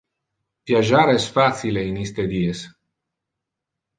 Viagiar es facile in iste dies.